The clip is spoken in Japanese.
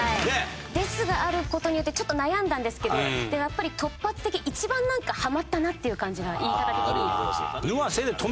「です」がある事によってちょっと悩んだんですけどでもやっぱり突発的一番なんかハマったなっていう感じが言い方的に。